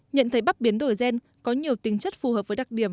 nhận thấy bắp biến đổi gen có nhiều tính chất phù hợp với đặc điểm